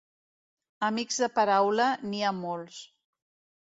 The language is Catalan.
Amics de paraula n'hi ha molts.